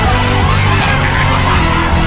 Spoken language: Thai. แล้วก็เหยียงตายนี่